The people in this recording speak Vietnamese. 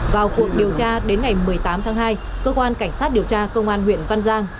vào cuộc điều tra đến ngày một mươi tám tháng hai cơ quan cảnh sát điều tra công an huyện văn giang